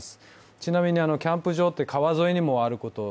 ちなみに、キャンプ場って川沿いにもあることが